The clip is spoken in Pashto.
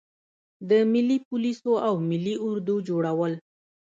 د ملي پولیسو او ملي اردو جوړول.